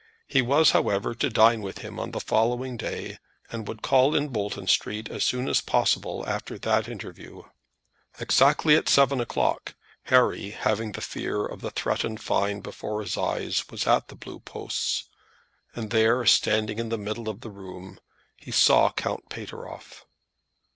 He was, however, to dine with him on the following day, and would call in Bolton Street as soon as possible after that interview. Exactly at seven o'clock, Harry, having the fear of the threatened fine before his eyes, was at the Blue Posts; and there, standing in the middle of the room, he saw Count Pateroff.